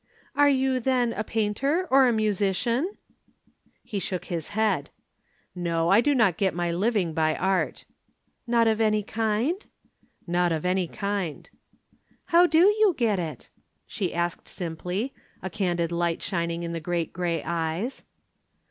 "Are you, then, a painter or a musician?" He shook his head. "No, I do not get my living by art." "Not of any kind?" "Not of any kind." "How do you get it?" she asked simply, a candid light shining in the great gray eyes.